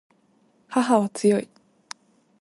母は強い